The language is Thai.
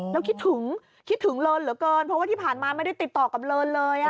แล้วคิดถึงคิดถึงเลินเหลือเกินเพราะว่าที่ผ่านมาไม่ได้ติดต่อกับเลินเลย